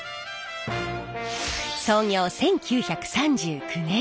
創業１９３９年。